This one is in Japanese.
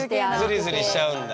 ズリズリしちゃうんだ。